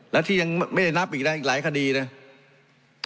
แล้วที่ยังไม่ได้นับอีกนะอีกหลายคดีนะ